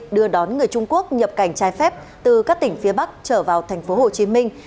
đưa đón người trung quốc nhập cảnh trái phép từ các tỉnh phía bắc trở vào thành phố hồ chí minh